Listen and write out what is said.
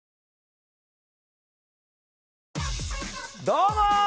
どうも！